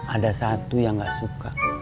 ada satu yang gak suka